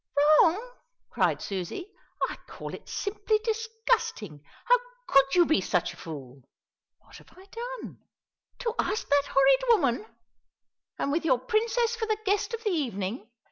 "Wrong!" cried Susie. "I call it simply disgusting. How could you be such a fool?" "What have I done?" "To ask that horrid woman, and with your Princess for the guest of the evening!